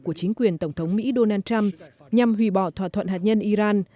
của chính quyền tổng thống mỹ donald trump nhằm hủy bỏ thỏa thuận hạt nhân iran